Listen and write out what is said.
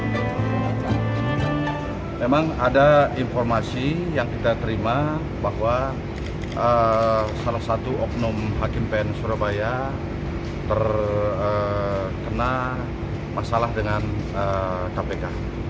memang ada informasi yang kita terima bahwa salah satu oknum hakim pn surabaya terkena masalah dengan kpk